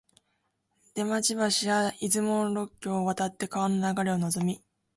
出町橋や出雲路橋を渡って川の流れをのぞみ、